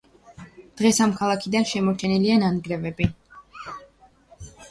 დღეს ამ ქალაქიდან შემორჩენილია ნანგრევები.